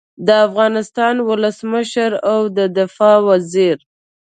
د افغانستان ولسمشر او د دفاع وزیر